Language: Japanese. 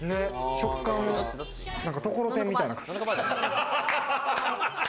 食感は、ところてんみたいな感じ。